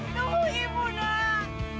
tunggu ibu nak